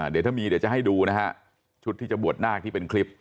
เดี๋ยวถ้ามีจะให้ดูนะครับชุดที่จะบวดนากที่เป็นคลิป